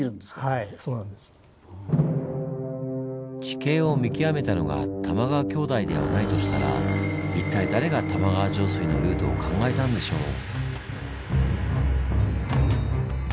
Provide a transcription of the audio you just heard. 地形を見極めたのが玉川兄弟ではないとしたら一体誰が玉川上水のルートを考えたんでしょう？